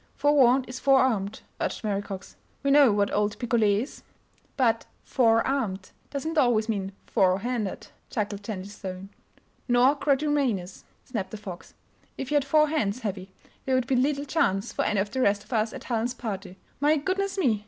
"Forewarned is forearmed," urged Mary Cox. "We know what old Picolet is!" "But 'four armed' doesn't always mean 'fore handed'," chuckled Jennie Stone. "Nor quadrumanous!" snapped the Fox. "If you had four hands, Heavy, there would be little chance for any of the rest of us at Helen's party. My goodness me!